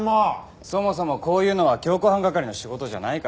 そもそもこういうのは強行犯係の仕事じゃないから。